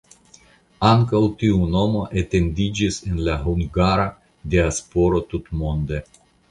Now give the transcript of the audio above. Ankaŭ tiu nomo etendiĝis en la hungara diasporo tutmonde.